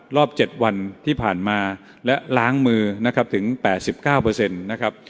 รอบ๗วันที่ผ่านมาและล้างมือนะครับถึง๘๙เปอร์เซ็นต์นะครับ